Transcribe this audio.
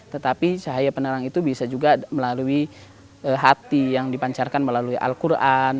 tetapi cahaya penerang itu bisa juga melalui hati yang dipancarkan melalui al quran